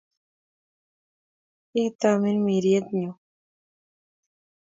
Hii tamirmiriet nyuun